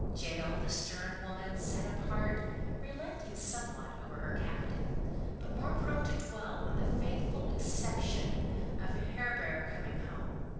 Jael, the stern woman; sat apart, relenting somewhat over her captive; but more prone to dwell on the faithful expectation of Heber coming home.